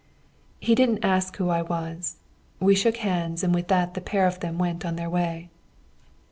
He didn't ask who I was. We shook hands, and with that the pair of them went on their way.